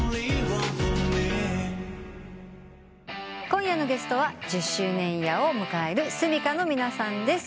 今夜のゲストは１０周年イヤーを迎えるｓｕｍｉｋａの皆さんです。